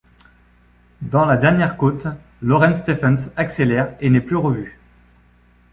Dans la dernière côte, Lauren Stephens accélère et n'est plus revue.